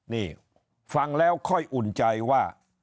นี่ฟังแล้วค่อยอุ่นใจว่า